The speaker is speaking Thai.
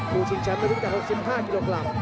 ผู้ชิงแชมป์มีการ๖๕กิโลขรัม